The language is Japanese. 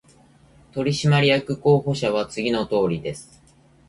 取締役候補者は次のとおりです